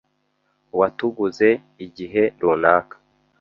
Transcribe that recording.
Watuguze igihe runaka.